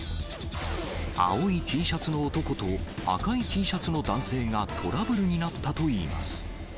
青いＴシャツの男と赤いＴシャツの男性がトラブルになったといいます。